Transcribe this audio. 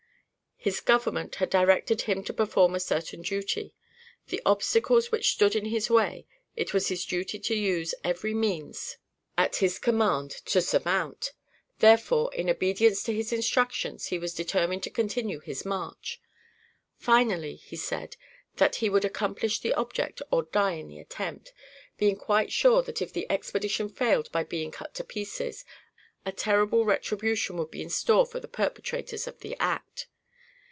His government had directed him to perform a certain duty. The obstacles which stood in his way, it was his duty to use every means at his command to surmount; therefore, in obedience to his instructions, he was determined to continue his march. Finally, he said, that he would accomplish the object or die in the attempt, being quite sure that if the expedition failed by being cut to pieces, a terrible retribution would be in store for the perpetrators of the act.